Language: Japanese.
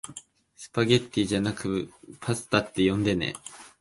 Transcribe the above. スパゲティじゃなくパスタって呼んでね